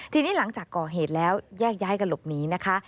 ทีนี้หลังจากก่อเหตุแล้วแยกย้ายกันหลบหนีนะคะ